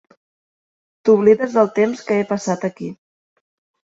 T"oblides del temps que he passat aquí.